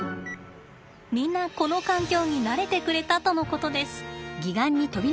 みんなこの環境に慣れてくれたとのことです。